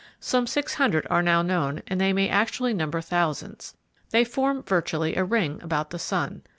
Some six hundred are now known, and they may actually number thousands. They form virtually a ring about the sun.